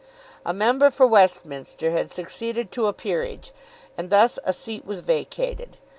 A member for Westminster had succeeded to a peerage, and thus a seat was vacated.